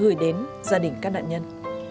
gửi đến gia đình các nạn nhân